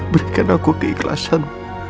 berikan aku keikhlasan